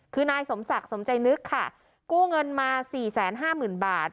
คือนายสมศักดิ์สมใจนึกค่ะกู้เงินมาสี่แสนห้าหมื่นบาท